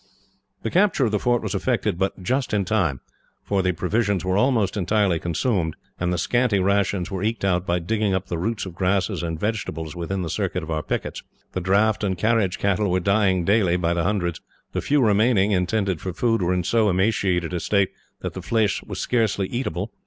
The capture of the fort was effected but just in time, for the provisions were almost entirely consumed, and the scanty rations were eked out by digging up the roots of grasses and vegetables within the circuit of our pickets. The draught and carriage cattle were dying daily, by hundreds. The few remaining, intended for food, were in so emaciated a state that the flesh was scarcely eatable.